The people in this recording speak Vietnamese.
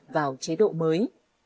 vào chế độ mới